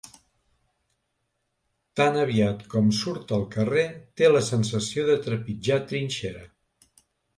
Tan aviat com surt al carrer té la sensació de trepitjar trinxera.